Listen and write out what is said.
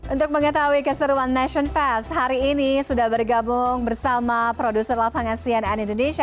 untuk mengetahui keseruan nation fest hari ini sudah bergabung bersama produser lapangan cnn indonesia